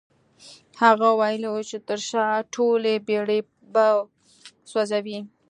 هغه ويلي وو چې تر شا ټولې بېړۍ به سوځوي.